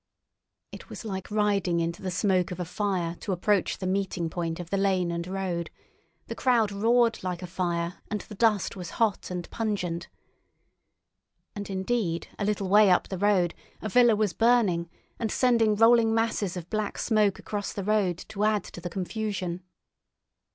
It was like riding into the smoke of a fire to approach the meeting point of the lane and road; the crowd roared like a fire, and the dust was hot and pungent. And, indeed, a little way up the road a villa was burning and sending rolling masses of black smoke across the road to add to the confusion.